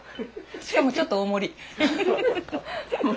しかもちょっと大盛り。